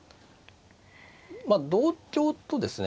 まあ同香とですね。